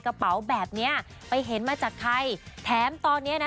กระเป๋าแบบเนี้ยไปเห็นมาจากใครแถมตอนเนี้ยนะ